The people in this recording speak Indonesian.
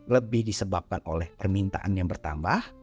lebih disebabkan oleh permintaan yang bertambah